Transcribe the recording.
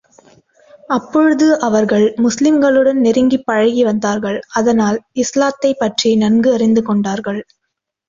அப்பொழுது அவர்கள் முஸ்லிம்களுடன் நெருங்கிப் பழகி வந்தார்கள் அதனால், இஸ்லாத்தைப் பற்றி நன்கு அறிந்து கொண்டார்கள்.